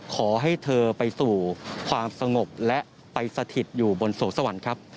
ขอให้เธอไปสู่ความสงบและไปสถิตอยู่บนโสสวรรค์ครับ